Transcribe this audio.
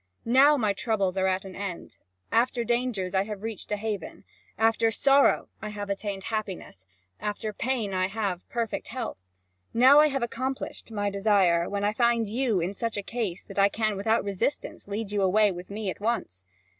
Now my troubles are at an end: after dangers, I have reached a haven; after sorrow, I have attained happiness; after pain, I have perfect health; now I have accomplished my desire, when I find you in such case that I can without resistance lead you away with me at once."